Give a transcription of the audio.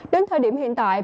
đến thời điểm hiện tại